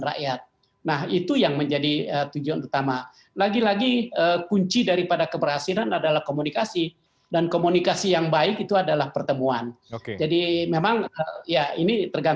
rakyat nah itu yang menjadi tujuan pertama lagi lagi kunci daripada keberhasilan adalah komunikasi dan komunikasi yang baik untuk pemerintahan pusat dan negara dan itu juga adalah munculan kepada kesehatan dari perancangan tentang keberhasilan terhadap kesehatan dari keberhasilan